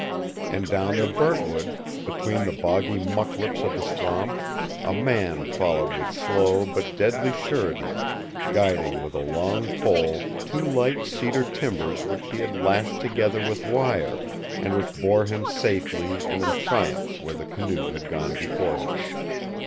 And down the Burntwood, between the boggy mucklips of the swamp, a man followed with slow but deadly surety, guiding with a long pole two light cedar timbers which he had lashed together with wire, and which bore him safely and in triumph where the canoe had gone before him.